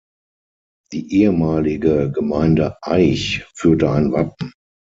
Die ehemalige Gemeinde Eich führte ein Wappen.